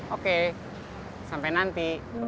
oke sampai nanti